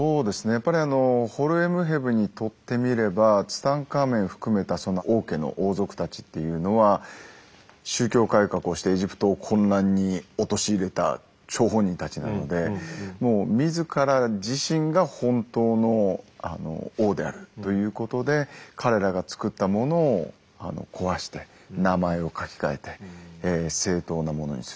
やっぱりホルエムヘブにとってみればツタンカーメン含めた王家の王族たちっていうのは宗教改革をしてエジプトを混乱に陥れた張本人たちなのでもう自ら自身が本当の王であるということで彼らがつくったものを壊して名前を書き換えて正当なものにする。